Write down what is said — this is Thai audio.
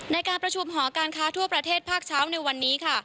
ในการประชุมหอการค้าทั่วประเทศภาคเช้าในวันนี้ค่ะ